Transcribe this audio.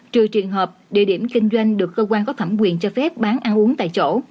trừ trường hợp địa điểm kinh doanh được cơ quan có thẩm quyền cho phép bán ăn uống tại chỗ